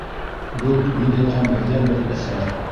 Был мин яҙған берҙән-бер әҫәр.